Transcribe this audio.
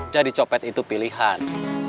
jadi copet itu pilihan